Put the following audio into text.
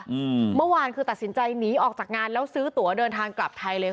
อืมเมื่อวานคือตัดสินใจหนีออกจากงานแล้วซื้อตัวเดินทางกลับไทยเลย